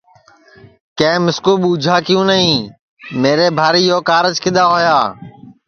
کہ مِسکو ٻوچھا کیوں نائی میرے بھاری یو کارج کِدؔا ہویا